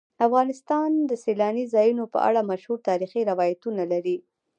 افغانستان د سیلانی ځایونه په اړه مشهور تاریخی روایتونه لري.